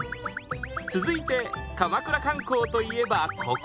続いて鎌倉観光といえばここ！